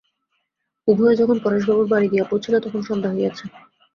উভয়ে যখন পরেশবাবুর বাড়ি গিয়া পৌঁছিল তখন সন্ধ্যা হইয়াছে।